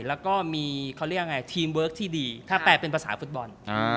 แล้วก็มีทีมเวิร์คที่ดีถ้าแปลเป็นภาษาฟุตบอล